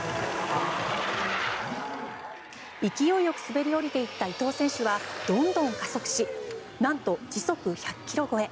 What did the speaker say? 勢いよく滑り降りていった伊藤選手はどんどん加速しなんと時速１００ｋｍ超え。